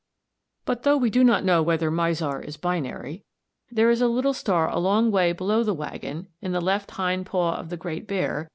But though we do not know whether Mizar is binary, there is a little star a long way below the waggon, in the left hind paw of the Great Bear ([Greek: x], Figs.